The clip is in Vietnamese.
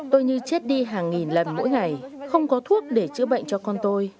tôi như chết đi hàng nghìn lần mỗi ngày không có thuốc để chữa bệnh cho con tôi